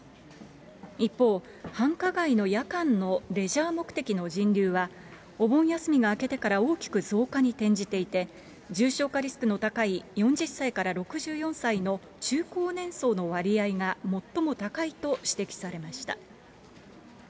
一方、繁華街の夜間のレジャー目的の人流は、お盆休みが明けてから大きく増加に転じていて、重症化リスクの高い、４０歳から６４歳の中高年層の割合が最も高いと指摘されました。